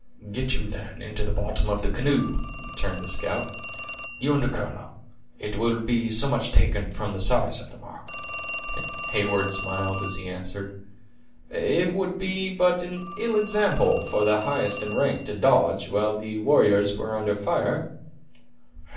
"Get you, then, into the bottom of the canoe," returned the scout; "you and the colonel; it will be so much taken from the size of the mark." Heyward smiled, as he answered: "It would be but an ill example for the highest in rank to dodge, while the warriors were under fire."